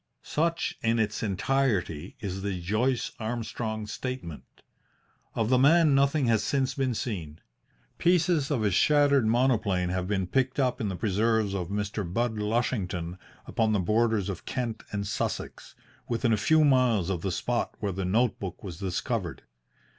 Such in its entirety is the Joyce Armstrong Statement. Of the man nothing has since been seen. Pieces of his shattered monoplane have been picked up in the preserves of Mr. Budd Lushington upon the borders of Kent and Sussex, within a few miles of the spot where the note book was discovered.